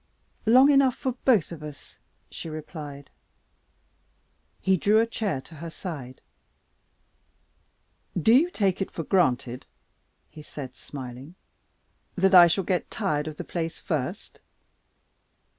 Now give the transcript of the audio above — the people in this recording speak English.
"Long enough for both of us," she replied. He drew a chair to her side. "Do you take it for granted," he said, smiling, "that I shall get tired of the place first?"